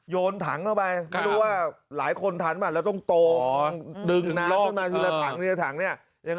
โยนถางเข้าไปแค่รู้ว่าหลายคนถัดมาแล้วต้องโตเอ่อ